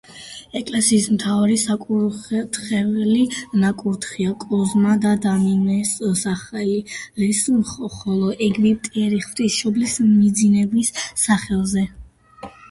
ეკლესიის მთავარი საკურთხეველი ნაკურთხია კოზმა და დამიანეს სახელზე, ხოლო ეგვტერი ღვთისმშობლის მიძინების სახელზე.